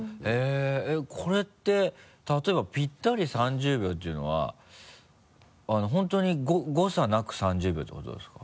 これって例えばぴったり３０秒っていうのは本当に誤差なく３０秒ってことですか？